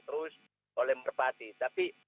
terus oleh merpati tapi